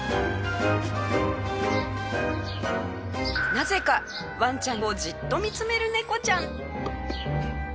なぜかワンちゃんをジッと見つめる猫ちゃん。